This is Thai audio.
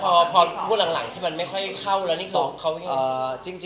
แล้วพอพูดหลังที่มันไม่ค่อยเข้าแล้วอีกสองเข้าไปกันยังไง